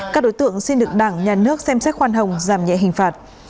các đối tượng xin được đảng nhà nước xem xét khoan hồng giảm nhẹ hình phạt